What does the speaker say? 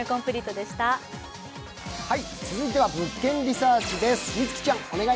続いては「物件リサーチ」です。